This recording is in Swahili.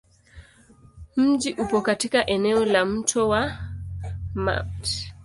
Mji upo katika eneo la Mto wa Mt.